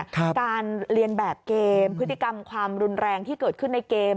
การเรียนแบบเกมพฤติกรรมความรุนแรงที่เกิดขึ้นในเกม